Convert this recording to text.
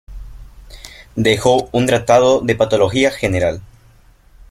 Dejó un Tratado de patología general.